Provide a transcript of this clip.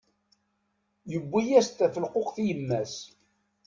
Yewwi-yas-d tafelquqt i yemma-s.